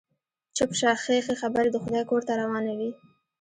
چپ شه، ښې ښې خبرې د خدای کور ته روانه يې.